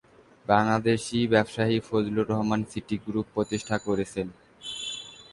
বাংলাদেশি ব্যবসায়ী Fazlur Rahman City Group প্রতিষ্ঠা করেন।